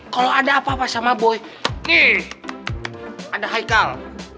kalau ada apa apa sama boy ada haikal